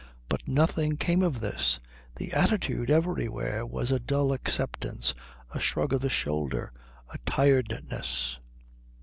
But nothing came of this; the attitude everywhere was a dull acceptance, a shrug of the shoulder, a tiredness.